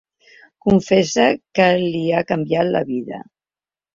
Confessa que li ha canviat la vida.